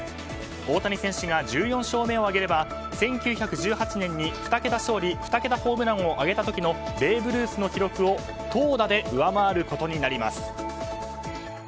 大谷選手が１４勝目を挙げれば１９１８年に２桁勝利２桁ホームランを挙げた時のベーブ・ルースの記録を投打で上回ることになります。